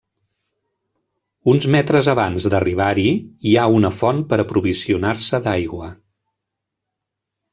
Uns metres abans d'arribar-hi hi ha una font per aprovisionar-se d'aigua.